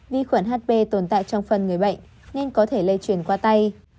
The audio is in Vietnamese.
vi khuẩn hp tồn tại trong phân người bệnh nên có thể lây chuyển qua tay